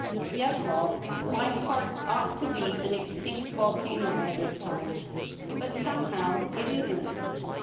Yes, Rolfe, my heart ought to be an extinct volcano by this time ; but somehow it isn't.'